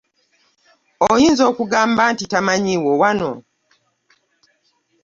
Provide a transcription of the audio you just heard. Oyinza okugamba nti tamanyiiwo wano.